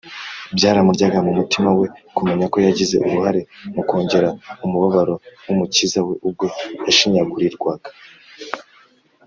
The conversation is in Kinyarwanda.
byaramuryaga mu mutima we kumenya ko yagize uruhare mu kongera umubabaro w’umukiza we ubwo yashinyagurirwaga